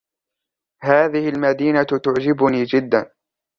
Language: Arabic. هذه المدينة تعجبني جداً.